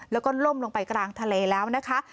แล้วก็ล่มลงไปกลางทะเลแล้วนะคะ